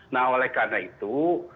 nah oleh karena itu